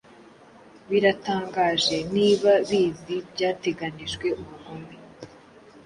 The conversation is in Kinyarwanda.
Biratangaje ntibabiziibyateganijwe ubugome